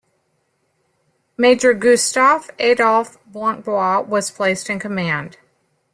Major Gustav-Adolf Blancbois was placed in command.